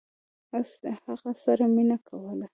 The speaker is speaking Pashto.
اس د هغه سره مینه کوله.